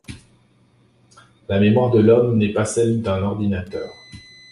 La mémoire de l'homme n'est pas celle d'un ordinateur…